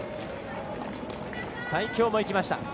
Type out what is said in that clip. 西京もいきました。